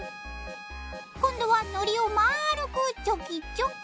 今度はのりをまるくチョキチョキ。